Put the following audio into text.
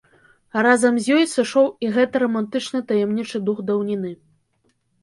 А разам з ёй сышоў і гэты рамантычны таямнічы дух даўніны.